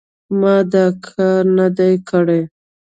ما دا کار نه دی کړی.